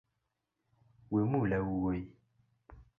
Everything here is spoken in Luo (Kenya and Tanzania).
Wemula wuoyi